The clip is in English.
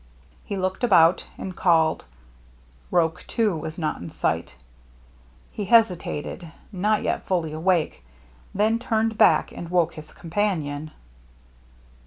He looked about, and called. Roche, too, was not in sight. He hesitated, not yet fully awake, then turned back and woke his companion.